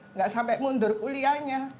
nggak sampai mundur kuliahnya